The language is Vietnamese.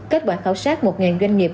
cách bản khảo sát một doanh nghiệp